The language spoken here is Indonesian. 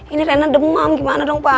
ini rena demam gimana dong pak